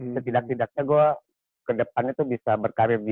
setidak tidaknya gue kedepannya tuh bisa berkarir di